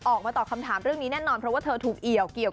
ออกมาตอบคำถามเรื่องนี้แน่นอนเพราะว่าเธอถูกเอี่ยวเกี่ยว